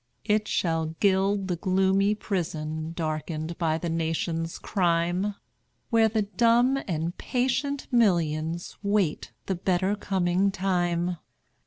It shall gild the gloomy prison, Darkened by the nation's crime, Where the dumb and patient millions Wait the better coming time.